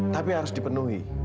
tapi harus dipenuhi